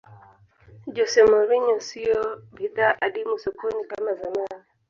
jose mourinho siyo bidhaa adimu sokoni kama zamani